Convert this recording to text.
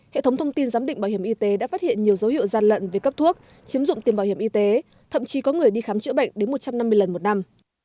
hệ thống thông tin giám định bảo hiểm y tế đã phát hiện nhiều dấu hiệu gian lận về cấp thuốc chiếm dụng tiền bảo hiểm y tế thậm chí có người đi khám chữa bệnh đến một trăm năm mươi lần một năm